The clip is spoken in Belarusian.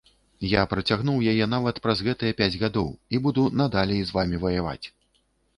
Я працягнуў яе нават праз гэтыя пяць гадоў і буду надалей з вамі ваяваць.